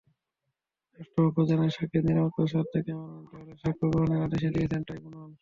রাষ্ট্রপক্ষ জানায়, সাক্ষীর নিরাপত্তার স্বার্থে ক্যামেরা ট্রায়ালে সাক্ষ্য গ্রহণের আদেশ দিয়েছেন ট্রাইব্যুনাল।